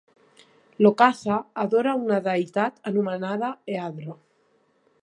Locathah adora a una deïtat anomenada Eadro.